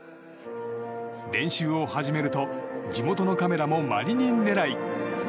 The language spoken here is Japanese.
練習を始めると地元のカメラもマリニン狙い。